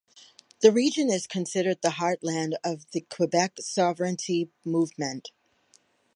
The region is considered the heartland of the Quebec sovereignty movement.